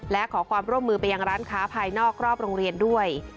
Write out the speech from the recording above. และขอความร่วมมือไปยังร้านค้าภายนอกรอบโรงเรียนด้วย